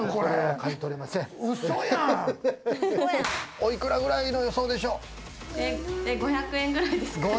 おいくらぐらいの予想でしょう？